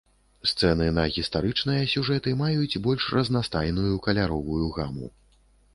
Сцэны на гістарычныя сюжэты маюць больш разнастайную каляровую гаму.